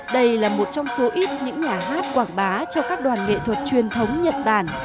đây là một trong số ít những nhà hát quảng bá cho các đoàn nghệ thuật truyền thống nhật bản